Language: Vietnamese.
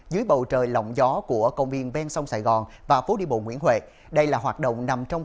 dưới bầu trời lỏng gió của công viên ven sông sài gòn và phố đi bộ nguyễn huệ đây là hoạt động nằm trong